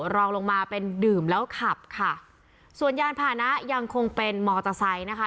รองลงมาเป็นดื่มแล้วขับค่ะส่วนยานผ่านะยังคงเป็นมอเตอร์ไซค์นะคะ